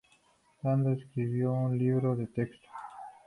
Dando escribió un libro de texto.